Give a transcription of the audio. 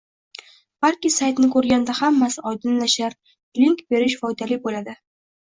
Balki saytni ko’rganda hammasi oydinlashar, link berish foydali bo’ladi